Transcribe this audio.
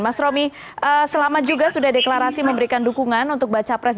mas romi selamat juga sudah deklarasi memberikan dukungan untuk baca pres